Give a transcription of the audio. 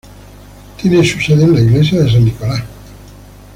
Tiene su sede en la iglesia de San Nicolás.